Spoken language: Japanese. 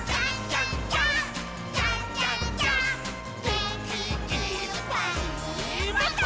「げんきいっぱいもっと」